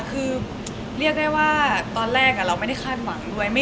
คือเรียกได้ว่าตอนแรกเราไม่ได้คาดหวังด้วย